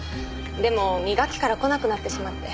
でも二学期から来なくなってしまって。